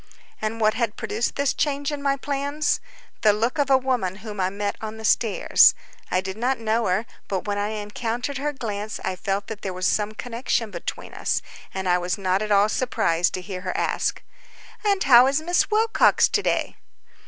And what had produced this change in my plans? The look of a woman whom I met on the stairs. I did not know her, but when I encountered her glance I felt that there was some connection between us, and I was not at all surprised to hear her ask: "And how is Miss Wilcox to day?"